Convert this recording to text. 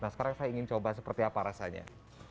nah sekarang saya ingin coba seperti apa rasanya